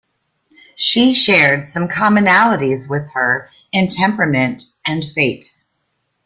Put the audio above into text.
She shared some commonalities with her in temperament and fate.